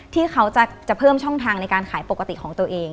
ที่เขาจะเพิ่มช่องทางในการขายปกติของตัวเอง